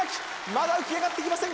まだ浮き上がってきません